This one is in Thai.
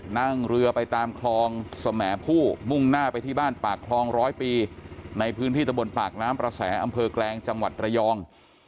นั่งเรือไปตามคลองสมผู้มุ่งหน้าไปที่บ้านปากคลองร้อยปีในพื้นที่ตะบนปากน้ำประแสอำเภอแกลงจังหวัดระยอง